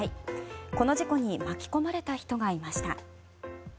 この事故に巻き込まれた人がいました。